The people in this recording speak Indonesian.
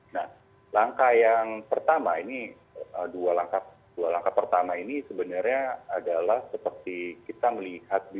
nah langkah yang pertama ini dua langkah pertama ini sebenarnya adalah seperti kita melihat